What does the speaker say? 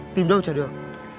tìm đâu chả được